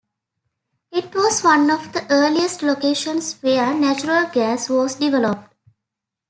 It was one of the earliest locations where natural gas was developed.